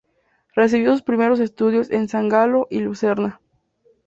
Recibió sus primeros estudios en San Galo y Lucerna.